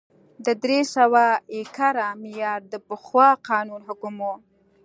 د درې سوه ایکره معیار د پخوا قانون حکم و